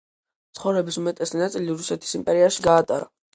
ცხოვრების უმეტესი ნაწილი რუსეთის იმპერიაში გაატარა.